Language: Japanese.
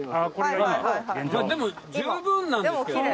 でも十分なんですけどね。